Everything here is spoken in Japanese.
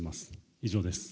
以上です。